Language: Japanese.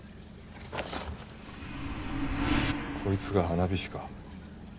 こいつが花火師か？